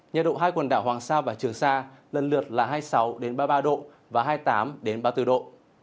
nhiệt độ hai quần đảo hoàng sa và trường sa lần lượt là hai mươi sáu ba mươi ba độ và hai mươi tám ba mươi bốn độ